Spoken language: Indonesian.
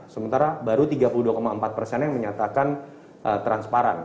sementara baru tiga puluh dua empat persen yang menyatakan transparan